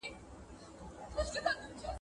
ډوډۍ که د بل ده نس خو دي خپل دئ.